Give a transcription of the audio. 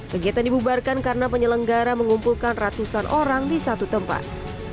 kegiatan dibubarkan karena penyelenggara mengumpulkan ratusan orang di satu tempat